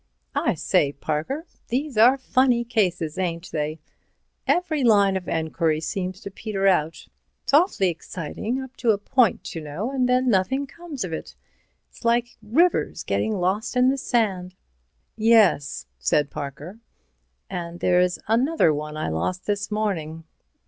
"I say, Parker, these are funny cases, ain't they? Every line of enquiry seems to peter out. It's awfully exciting up to a point, you know, and then nothing comes of it. It's like rivers getting lost in the sand." "Yes," said Parker. "And there's another one I lost this morning."